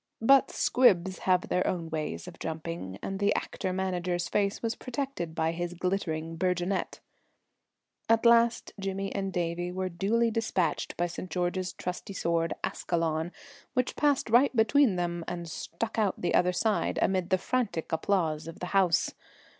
But squibs have their own ways of jumping, and the actor manager's face was protected by his glittering burgonet. At last Jimmy and Davie were duly despatched by St. George's trusty sword, Ascalon, which passed right between them and stuck out on the other side amid the frantic applause of the house.